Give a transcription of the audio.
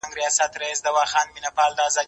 زه له سهاره کتاب وليکم،،